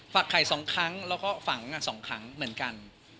ไข่๒ครั้งแล้วก็ฝัง๒ครั้งเหมือนกัน